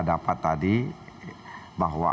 dapat tadi bahwa